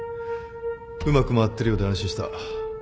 うまく回ってるようで安心した。